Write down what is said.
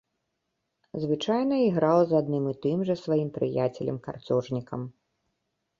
Звычайна іграў з адным і тым жа сваім прыяцелем-карцёжнікам.